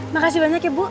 makasih banyak ya bu